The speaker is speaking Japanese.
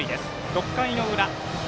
６回の裏西